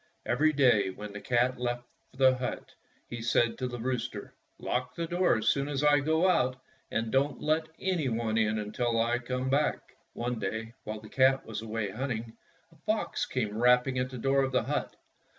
Every day, when the cat left the hut, he said to the rooster, "Lock the door as soon as I go out and don't let any one in until I come back." One day, while the cat was away hunting, a fox came rapping at the door of the hut.